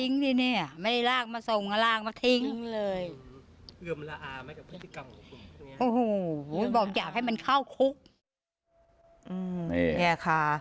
นี่ค่ะ